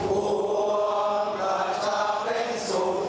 หลุดจากเท่าไหวไทยไทยโยธ